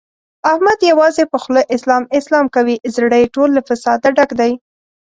احمد یوازې په خوله اسلام اسلام کوي، زړه یې ټول له فساده ډک دی.